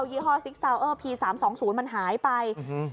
ยี่ห้อเออพีสามสองศูนย์มันหายไปอื้อฮือ